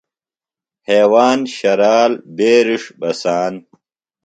ہیواند ،شرال بیرݜ ،بساند۔